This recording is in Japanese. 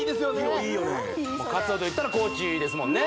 もう鰹といったら高知ですもんね